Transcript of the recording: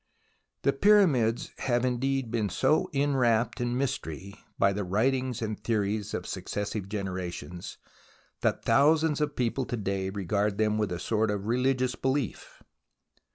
The Pyramids have indeed been so enwrapped in mystery, by the writings and theories of successive generations, that thousands of people to day regard them with a sort of religious belief.